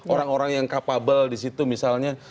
orang orang yang capable di situ misalnya